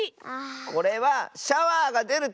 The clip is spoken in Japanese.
これはシャワーがでるところ！